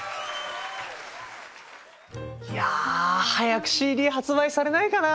いや早くＣＤ発売されないかなあ！